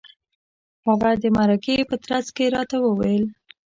هغه د مرکې په ترڅ کې راته وویل.